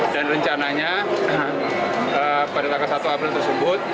dan rencananya pada tanggal satu april tersebut